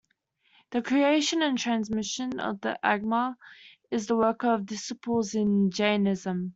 The creation and transmission of the "Agama" is the work of disciples in Jainism.